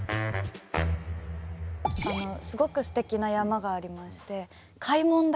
すごくすてきな山がありまして開聞岳。